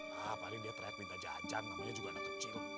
ah paling dia teriak minta jajan namanya juga anak kecil